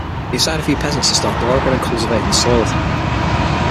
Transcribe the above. He assigned a few peasants to start developing and cultivating the soil.